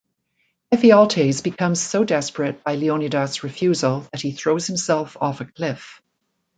Ephialtes becomes so desperate by Leonidas' refusal that he throws himself off a cliff.